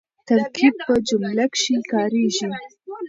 ترکیب په جمله کښي کاریږي.